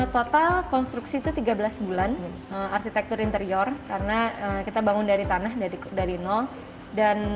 total konstruksi itu tiga belas bulan arsitektur interior karena kita bangun dari tanah dari nol dan